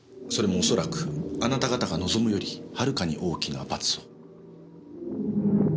それも恐らくあなた方が望むよりはるかに大きな罰を。